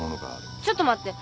ちょっと待って。